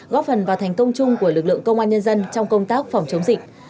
góp phần vào thành công chung của lực lượng công an nhân dân trong công tác phòng chống dịch